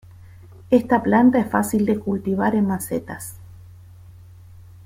Esta planta es fácil de cultivar en macetas.